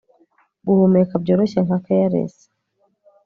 guhumeka byoroshye nka caress